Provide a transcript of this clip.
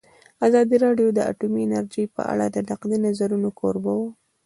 ازادي راډیو د اټومي انرژي په اړه د نقدي نظرونو کوربه وه.